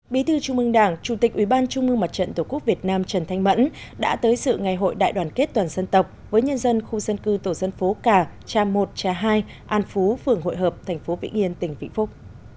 bí thư trung mương đảng chủ tịch ủy ban trung mương mặt trận tổ quốc việt nam trần thanh mẫn đã tới sự ngày hội đại đoàn kết toàn dân tộc với nhân dân khu dân cư tổ dân phố cà cha một trà hai an phú phường hội hợp thành phố vĩnh yên tỉnh vĩnh phúc